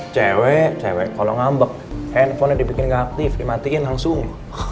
cewek cewek kalau ngambek handphonenya dibikin nggak aktif dimatiin langsung